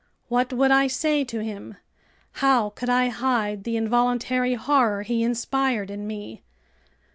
What would I say to him? How could I hide the involuntary horror he inspired in me?